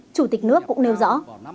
chủ tịch nước cũng nêu rõ